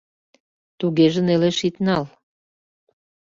— Тугеже нелеш ит нал.